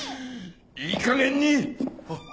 いいかげんにあっ！